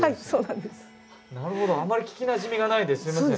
なるほどあまり聞きなじみがないんですみません。